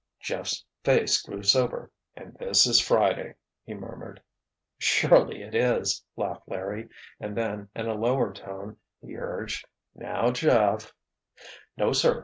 Jeff's face grew sober. "And this is Friday!" he murmured. "Surely it is," laughed Larry, and then, in a lower tone, he urged, "now, Jeff——" "No, sir!